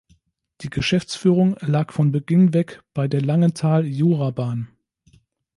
Die Geschäftsführung lag von Beginn weg bei der Langenthal-Jura-Bahn.